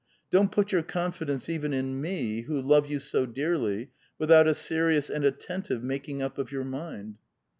Don't put your confidence even in me, who love you so dearly, without a serious and attentive making up of your mind.'